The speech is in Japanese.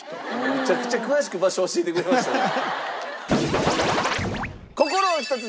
むちゃくちゃ詳しく場所教えてくれましたね。